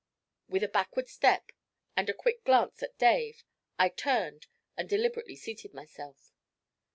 With a backward step and a quick glance at Dave, I turned and deliberately seated myself.